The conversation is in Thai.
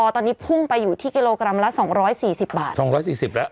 ตอนนี้ฟุ่งไปอยู่ที่กิโลกรัมละรอยสี่สิบบาทละค่ะ